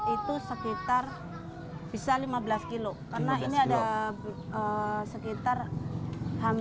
itu sekitar lima belas kg